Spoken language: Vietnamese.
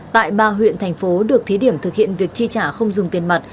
tại ba huyện thành phố được thí điểm thực hiện việc chi trả không dùng tiền mặt